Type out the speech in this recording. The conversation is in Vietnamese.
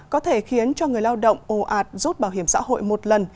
có thể khiến cho người lao động ồ ạt rút bảo hiểm xã hội một lần